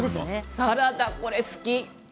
サラダ、これ好き。